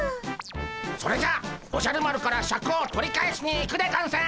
それじゃおじゃる丸からシャクを取り返しに行くでゴンス！